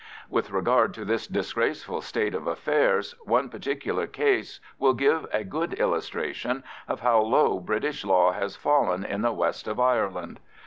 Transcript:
With regard to this disgraceful state of affairs one particular case will give a good illustration of how low British law has fallen in the west of Ireland.